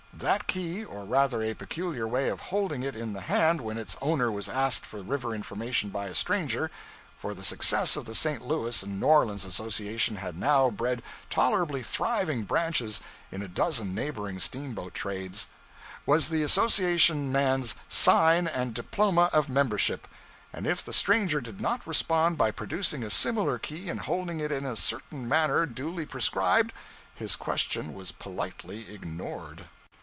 That key, or rather a peculiar way of holding it in the hand when its owner was asked for river information by a stranger for the success of the St. Louis and New Orleans association had now bred tolerably thriving branches in a dozen neighboring steamboat trades was the association man's sign and diploma of membership; and if the stranger did not respond by producing a similar key and holding it in a certain manner duly prescribed, his question was politely ignored.